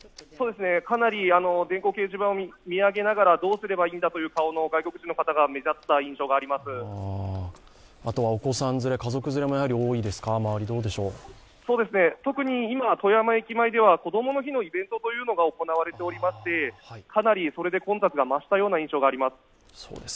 かなり電光掲示板を見上げながら、どうすればいいんだという顔の外国人の方があとはお子さん連れ家族連れの方も特に今富山駅前ではこどもの日のイベントが行われていましてかなりそれで混雑が増したような印象があります。